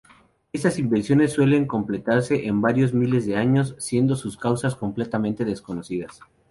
Estas inversiones suelen completarse en varios miles de años; siendo sus causas completamente desconocidas.